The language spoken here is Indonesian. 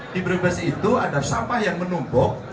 di brebes itu ada sampah yang menumpuk